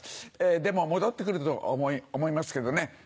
でも戻って来ると思いますけどね。